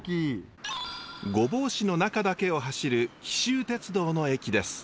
御坊市の中だけを走る紀州鉄道の駅です。